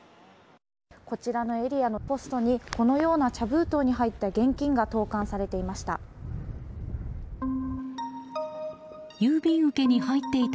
こちらのエリアのポストにこのような茶封筒に入った現金が投函されていました。